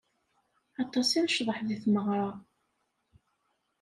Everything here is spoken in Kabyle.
Aṭas i necḍeḥ di tmeɣra.